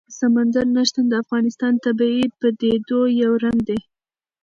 سمندر نه شتون د افغانستان د طبیعي پدیدو یو رنګ دی.